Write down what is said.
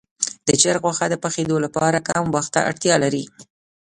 د چرګ غوښه د پخېدو لپاره کم وخت ته اړتیا لري.